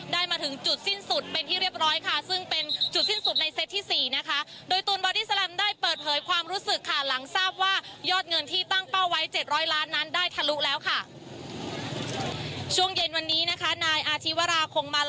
ได้มาถึงจุดสิ้นสุดเป็นที่เรียบร้อยค่ะ